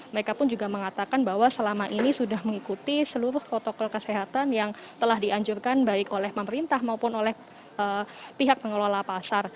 mereka pun juga mengatakan bahwa selama ini sudah mengikuti seluruh protokol kesehatan yang telah dianjurkan baik oleh pemerintah maupun oleh pihak pengelola pasar